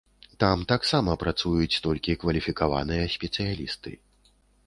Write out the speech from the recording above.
Там таксама працуюць толькі кваліфікаваныя спецыялісты.